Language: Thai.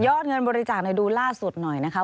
เงินบริจาคดูล่าสุดหน่อยนะคะ